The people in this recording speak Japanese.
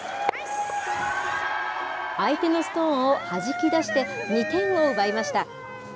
相手のストーンをはじき出して、２点を奪いました。